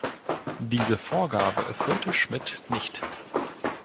Diese Vorgabe erfüllte Schmidt nicht.